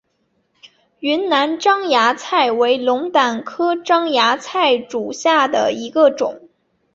云南獐牙菜为龙胆科獐牙菜属下的一个种。